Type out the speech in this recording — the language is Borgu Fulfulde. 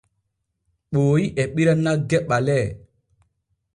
Ɓooyi e ɓira nagge ɓalee.